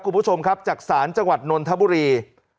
คุณผู้ชมครับจากศาลจังหวัดนนทบุรี